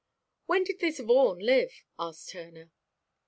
"When did this Vaughan live?" asked Turner.